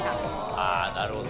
ああなるほど。